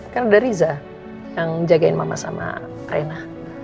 kan udah riza yang jagain mama sama reina